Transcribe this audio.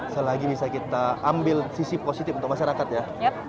selagi bisa kita ambil sisi positif untuk masyarakat ya